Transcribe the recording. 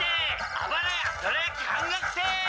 あばら屋どら焼き半額セール！！」